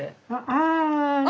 ああ！